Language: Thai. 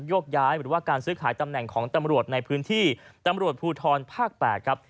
รพบาทมาช่วยราชการ